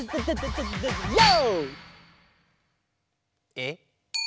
えっ？